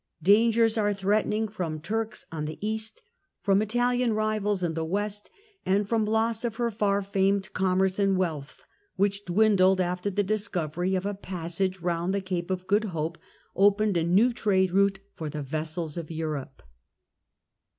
Dangers are threatening from Turks on the East, from Italian rivals in the West, and from loss of her far famed com merce and wealth, which dwindled after the discovery of a passage round the Cape of Good Hope opened a new trade route for the vessels of Europe.